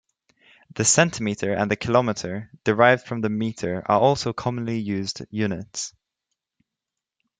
The centimetre and the kilometre, derived from the metre, are also commonly used units.